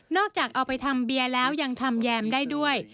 จากเอาไปทำเบียร์แล้วยังทำแยมได้ด้วย